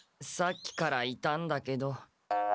さっきからいたんだけど。